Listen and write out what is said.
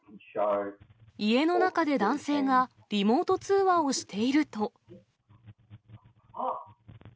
家の中で男性がリモート通話をしていると。